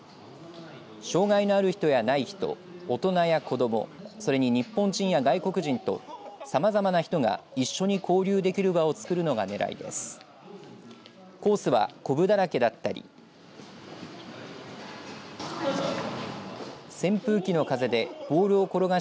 障害のある人や、ない人大人や子どもそれに日本人や外国人とさまざまな人が一緒に交流できる場を作るのがねらいです。